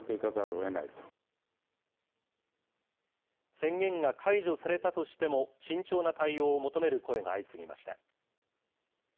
宣言が解除されたとしても、慎重な対応を求める声が相次ぎました。